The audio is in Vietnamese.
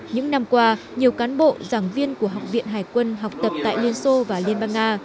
những năm qua nhiều cán bộ giảng viên của học viện hải quân học tập tại liên xô và liên bang nga